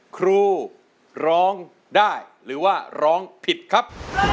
ครูร้องได้หรือว่าร้องผิดครับ